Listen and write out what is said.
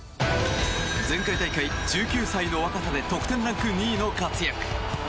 前回大会、１９歳の若さで得点ランク２位の活躍。